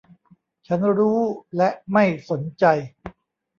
ฉันรู้ และไม่สนใจ